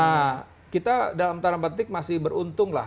nah kita dalam tanda petik masih beruntung lah